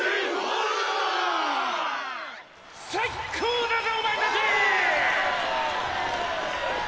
最ッ高だぜお前たち！！